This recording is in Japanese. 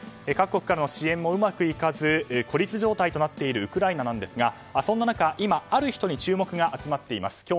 各国からの支援もうまくいかず孤立状態となっているウクライナなんですが、そんな中今ある人に注目が集まっています。